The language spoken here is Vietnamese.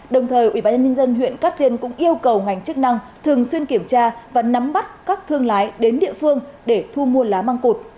đồng thời ủy ban nhân dân huyện cát tiên cũng yêu cầu ngành chức năng thường xuyên kiểm tra và nắm bắt các thương lái đến địa phương để thu mua lá măng cụt